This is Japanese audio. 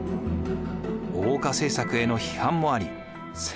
欧化政策への批判もあり